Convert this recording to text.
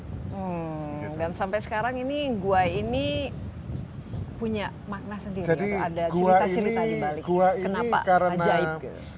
dan sampai sekarang ini gua ini punya makna sendiri atau ada cerita cerita dibalik kenapa ajaib